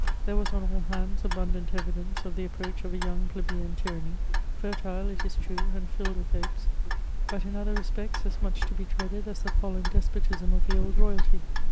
There was on all hands abundant eyidenee of the approach of a young plebeian tyranny, fertile it is true, and filled with hopes, but in other respects 30 much to be dreaded as the £allen despotism of the old royalty.